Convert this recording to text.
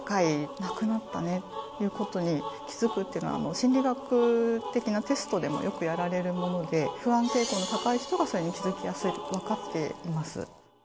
なくなったねということに気付くっていうのは、心理学的なテストでもよくやられるもので、不安傾向の高い人がそれに気付きやすいって分かっています。